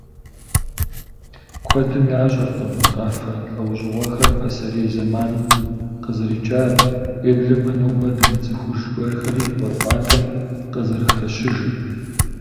Куэдым ящӏэркъым мы къафэ лӏэужьыгъуэхэр пасэрей зэманым къызэрикӏар, уеблэмэ нобэ дымыцӏыхуж гуэрхэри ӏуэрыӏуатэм къызэрыхэщыжыр.